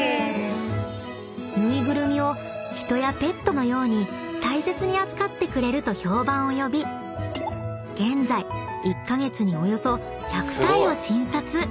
［ぬいぐるみを人やペットのように大切に扱ってくれると評判を呼び現在１カ月におよそ１００体を診察］